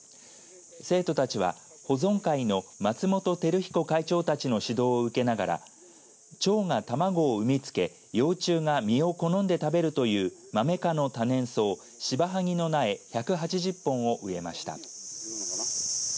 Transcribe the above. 生徒たちは保存会の松本輝彦会長たちの指導を受けながらちょうが卵を産み付け幼虫が実を好んで食べるというマメ科の多年草シバハギの苗１８０本を植えました。